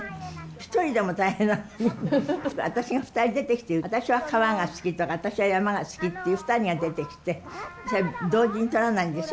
１人でも大変なのに私が２人出てきて「私は川が好き」とか「私は山が好き」っていう２人が出てきて同時に撮らないんですよ。